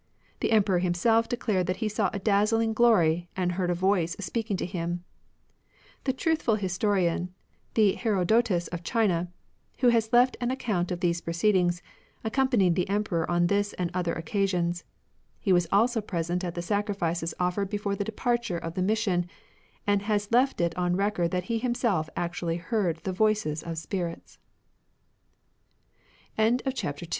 The Emperor himself declared that he saw a dazzling glory, and heard a voice speaking to him. The truthful historian — ^the Herodotus of China — ^who has left an account of these proceedings, accompanied the Emperor on this and other occasions ; he was also present at the sacrifices offered before the departure of the mission, and has left it on record that he himself